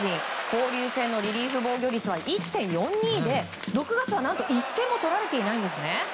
交流戦のリリーフ防御率は１．４２で、６月は何と１点も取られていないんですね。